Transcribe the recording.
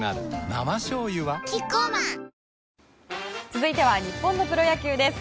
続いては日本のプロ野球です。